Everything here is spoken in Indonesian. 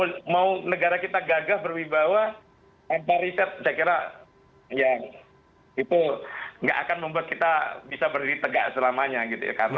entah riset saya kira ya itu tidak akan membuat kita bisa berdiri tegak selamanya gitu ya